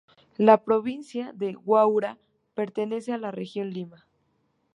La provincia de Huaura pertenece a la Región Lima.